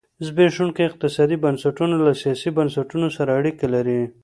زبېښونکي اقتصادي بنسټونه له سیاسي بنسټونه سره اړیکه لري.